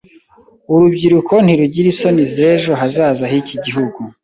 Urubyiruko ntirugira isoni z'ejo hazaza h'iki gihugu.